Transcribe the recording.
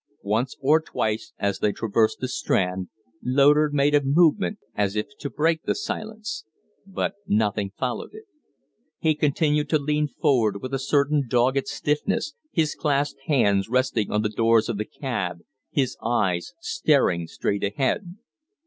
Once or twice as they traversed the Strand, Loder made a movement as if to break the silence, but nothing followed it. He continued to lean forward with a certain dogged stiffness, his clasped hands resting on the doors of the cab, his eyes staring straight ahead.